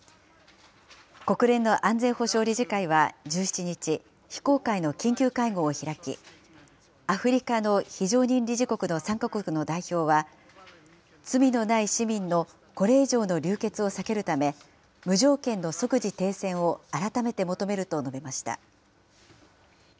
国連の安全保障理事会は１７日、非公開の緊急会合を開き、アフリカの非常任理事国の３か国の代表は、罪のない市民のこれ以上の流血を避けるため、無条件の即時停戦を改めて求めると述べました。